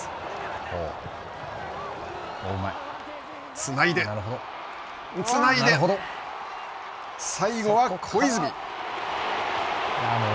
つないでつないで最後は小泉。